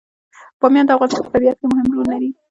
بامیان د افغانستان په طبیعت کې مهم رول لري.